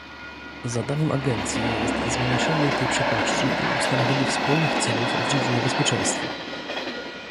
Zadaniem Agencji jest zmniejszenie tej przepaści i ustanowienie wspólnych celów w dziedzinie bezpieczeństwa